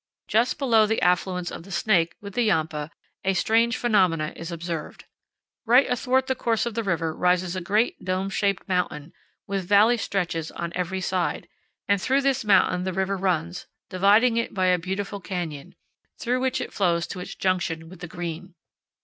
Just below the affluence of the Snake with the Yampa a strange phenomenon is observed. Right athwart the course of the river rises a great dome shaped mountain, with valley stretches on every side, and through this mountain the river runs, dividing it by a beautiful canyon, through which it flows to its junction with the Green.